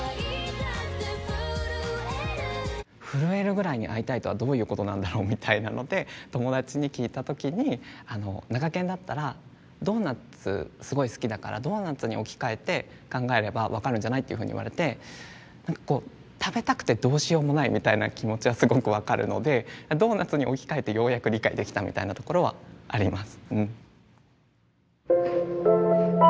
震えるぐらいに会いたいとはどういうことなんだろうみたいなので友達に聞いた時に「なかけんだったらドーナツすごい好きだからドーナツに置き換えて考えれば分かるんじゃない？」っていうふうに言われてなんかこう食べたくてどうしようもないみたいな気持ちはすごく分かるのでドーナツに置き換えてようやく理解できたみたいなところはあります。